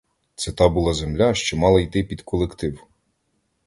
Це та була земля, що мала йти під колектив.